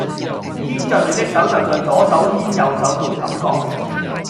牽著你的手就象左手牽右手沒感覺